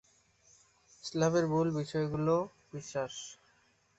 ইসলামের মূল বিষয়গুলোতে বিশ্বাস।